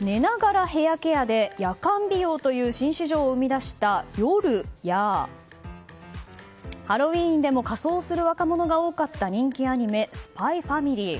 寝ながらヘアケアで夜間美容という新市場を生み出したＹＯＬＵや、ハロウィーンでも仮装する若者が多かった人気アニメ「ＳＰＹ×ＦＡＭＩＬＹ」。